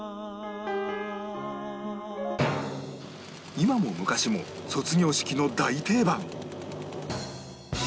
今も昔も卒業式の大定番